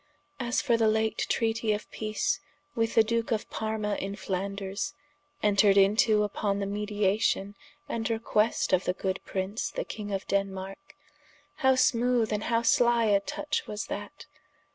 As for the late treatie of peace with the Duke of Parma in Flanders, entred into vpon the mediation, and request of the good prince the King of Denmarke, how smoothe & how slie a tuche was that?